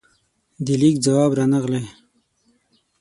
د لیک ځواب رانغلې